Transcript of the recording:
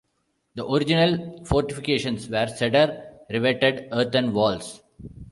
The original fortifications were cedar-reveted earthen walls.